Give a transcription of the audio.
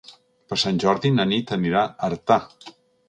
Per Sant Jordi na Nit anirà a Artà.